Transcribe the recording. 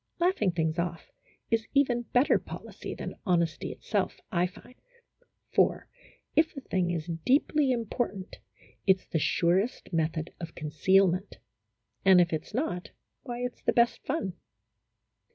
Laughing things off is even better policy than " honesty " itself, I find, for, if a thing is deeply im portant, it 's the surest method of concealment, and if it 's not, why it 's the best fun.